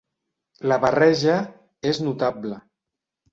La barreja és notable.